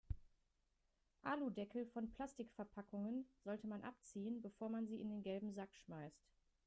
Aludeckel von Plastikverpackungen sollte man abziehen, bevor man sie in den gelben Sack schmeißt.